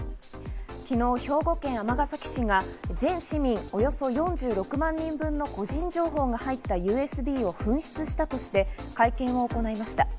昨日、兵庫県尼崎市が全市民およそ４６万人分の個人情報が入ったＵＳＢを紛失したとして、会見を行いました。